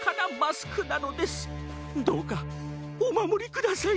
どうかおまもりください！